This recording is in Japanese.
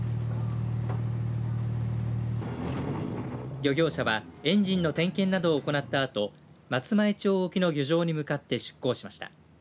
漁業者はエンジンの点検などを行ったあと松前町沖の漁場に向かって出港しました。